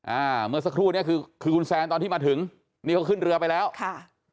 อ่าเมื่อสักครู่เนี้ยคือคือคุณแซนตอนที่มาถึงนี่เขาขึ้นเรือไปแล้วค่ะ